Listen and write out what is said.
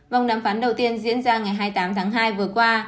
vòng đàm phán đầu tiên diễn ra ngày hai mươi tám tháng hai vừa qua